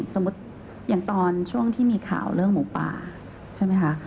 สมมุติอย่างตอนช่วงที่มีข่าวเรื่องหมูป่าใช่ไหมคะ